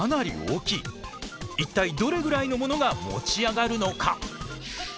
一体どれぐらいのものが持ち上がるのか？